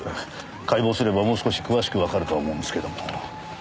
解剖すればもう少し詳しくわかるとは思うんですけども。